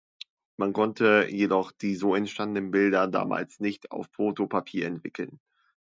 Man konnte jedoch die so entstandenen Bilder damals nicht auf Fotopapier entwickeln.